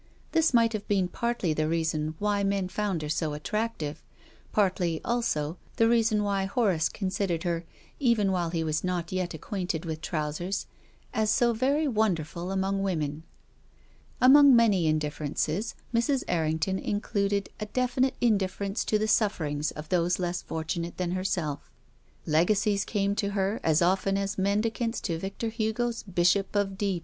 This mi^ht have been partly the reason why men found her so attractive, partly, also, the reason why Horace considered her, even while he was not yet acquainted with trousers, as so very wonderful among women. Among many indifferences, Mrs. Errington in cluded a definite indifference to the sufferings of those less fortunate than herself. Legacies came to her as often as mendicants to Victor Hugo's Bishop of D